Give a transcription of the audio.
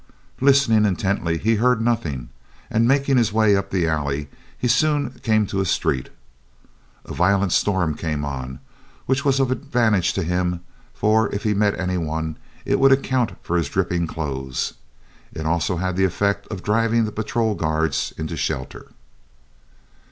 Listening intently, he heard nothing, and making his way up the alley, he soon came to a street. A violent storm came on, which was of advantage to him, for if he met any one, it would account for his dripping clothes. It also had the effect of driving the patrol guards into shelter.